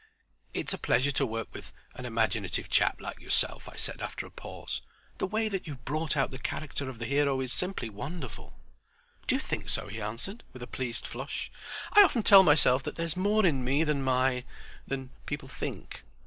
"It's a pleasure to work with an imaginative chap like yourself," I said after a pause. "The way that you've brought out the character of the hero is simply wonderful." "Do you think so?" he answered, with a pleased flush. "I often tell myself that there's more in me than my—than people think."